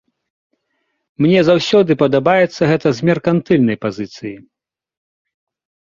Мне заўсёды падабаецца гэта з меркантыльнай пазіцыі.